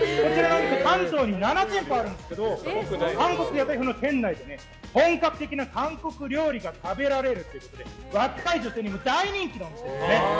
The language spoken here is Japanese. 関東に７店舗あるんですが店内で本格的な韓国料理が食べられるということで若い女性にも大人気のお店ですね。